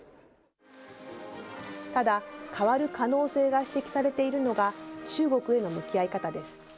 ただ、変わる可能性が指摘されているのが、中国への向き合い方です。